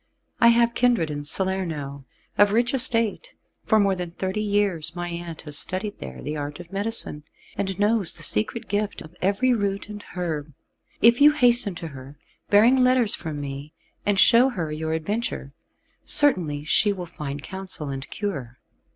I have kindred in Salerno, of rich estate. For more than thirty years my aunt has studied there the art of medicine, and knows the secret gift of every root and herb. If you hasten to her, bearing letters from me, and show her your adventure, certainly she will find counsel and cure.